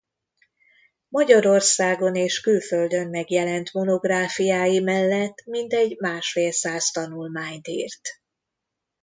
Magyarországon és külföldön megjelent monográfiái mellett mintegy másfél száz tanulmányt írt.